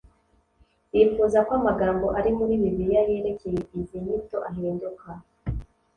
Bifuza ko amagambo ari muri bibiriya yerekeye izi nyito ahinduka